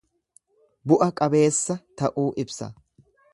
Bu'a qabeessa ta'uu ibsa.